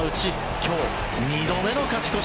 今日２度目の勝ち越し